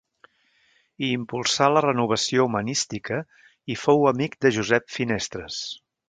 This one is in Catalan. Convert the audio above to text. Hi impulsà la renovació humanística i fou amic de Josep Finestres.